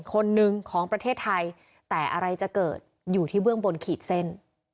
คนหนึ่งของประเทศไทยแต่อะไรจะเกิดอยู่ที่เบื้องบนขีดเส้น